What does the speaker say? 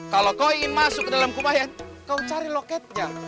kalau kau ingin masuk ke dalam kubah ya kau cari loketnya